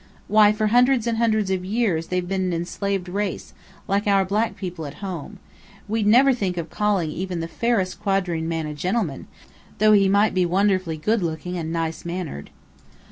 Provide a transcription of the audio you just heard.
Why, for hundreds and hundreds of years they've been an enslaved race, like our black people at home. We'd never think of calling even the fairest quadroon man a gentleman, though he might be wonderfully good looking and nice mannered."